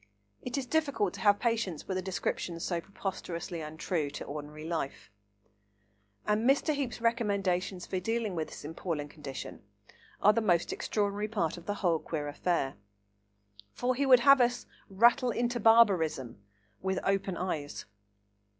It is difficult to have patience with a description so preposterously untrue to ordinary life. And Mr. Heape's recommendations for dealing with this appalling condition are the most extraordinary part of the whole queer affair. For he would have us "rattle into barbarism" with open eyes.